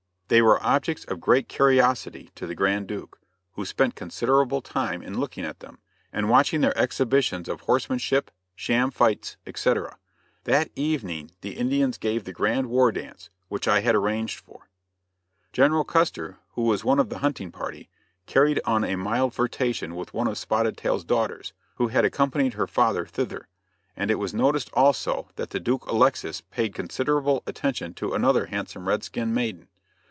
They were objects of great curiosity to the Grand Duke, who spent considerable time in looking at them, and watching their exhibitions of horsemanship, sham fights, etc. That evening the Indians gave the grand war dance, which I had arranged for. [Illustration: INDIAN EXERCISES.] General Custer, who was one of the hunting party, carried on a mild flirtation with one of Spotted Tail's daughters, who had accompanied her father thither, and it was noticed also that the Duke Alexis paid considerable attention to another handsome red skin maiden.